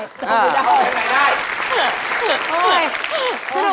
เข้าไปข้างในได้